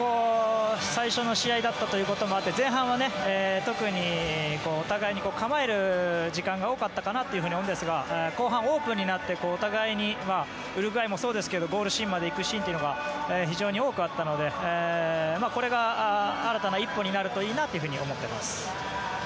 最初の試合だったということもあって前半は特にお互いに構える時間が多かったかなと思うんですが後半、オープンになってお互いにウルグアイもそうですけどゴールシーンまで行くシーンが非常に多くあったのでこれが新たな一歩になるといいなと思っています。